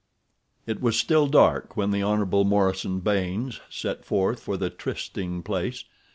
XX. It was still dark when the Hon. Morison Baynes set forth for the trysting place.